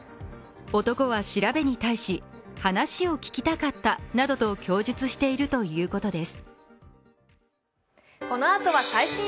男は調べに対し話を聞きたかったなどと供述しているということです。